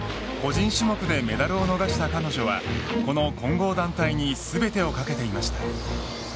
個人種目でメダルを逃した彼女はこの混合団体に全てをかけていました。